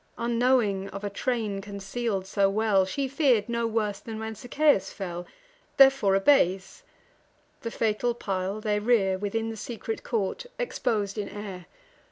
Unknowing of a train conceal'd so well, She fear'd no worse than when Sichaeus fell; Therefore obeys. The fatal pile they rear, Within the secret court, expos'd in air.